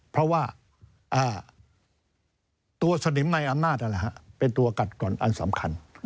เพราะว่าตัวสนิมในอำนาจเป็นตัวกัดก่อนอันสำคัญ